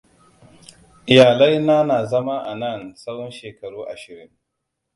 Iyalaina na zama a nan tsahon shekaru ashirin.